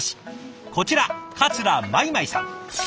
こちら桂米舞さん。